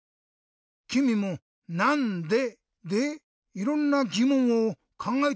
きみも「なんで？」でいろんなぎもんをかんがえてみてくれ。